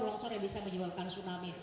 longsor yang bisa menyebabkan tsunami